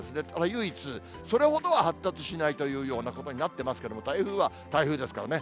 唯一、それほどは発達しないというようなことになってますけれども、台風は台風ですからね。